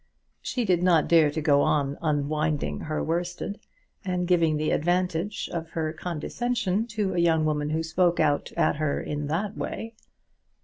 She did not dare to go on unwinding her worsted, and giving the advantage of her condescension to a young woman who spoke out at her in that way.